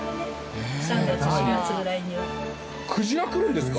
そしてクジラ来るんですか！？